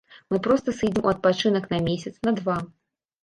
Мы проста сыдзем у адпачынак на месяц, на два.